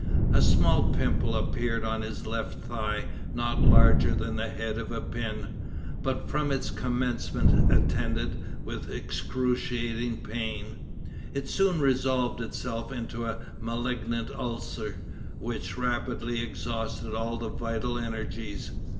A small pimple appeared on his left thigh, not larger than the head of a pin, but from its commencement attended with excruciating pain. It soon resolved itself into a malignant ulcer, which rapidly exhausted all the vital energies.